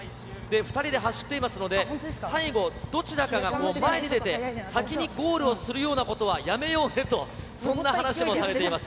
２人で走っていますので、最後、どちらかが前に出て、先にゴールをするようなことはやめようねと、そんな話もされています。